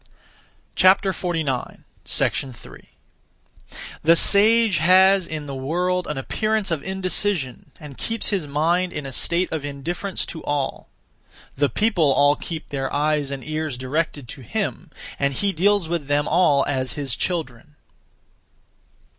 3. The sage has in the world an appearance of indecision, and keeps his mind in a state of indifference to all. The people all keep their eyes and ears directed to him, and he deals with them all as his children.